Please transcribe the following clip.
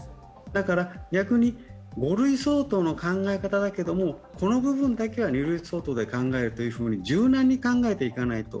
だから、逆に５類相当の考え方だけれども、この部分だけは２類相当で考えるというふうに柔軟に考えていかないと。